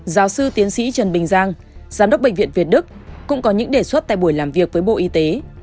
giáo sư tiến sĩ trần bình giang giám đốc bệnh viện việt đức cũng có những đề xuất tại buổi làm việc với bộ y tế